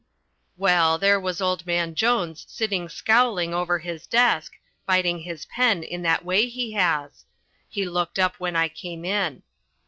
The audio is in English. Well, there was old man Jones sitting scowling over his desk, biting his pen in that way he has. He looked up when I came in.